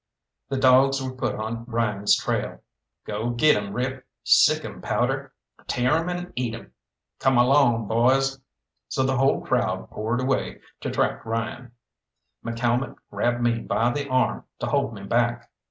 The dogs were put on Ryan's trail. "Go, get 'im, Rip! Sick 'im, Powder! Tear 'im and eat 'im! Come along, boys!" So the whole crowd poured away to track Ryan. McCalmont grabbed me by the arm to hold me back.